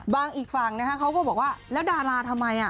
อีกฝั่งเขาก็บอกว่าแล้วดาราทำไม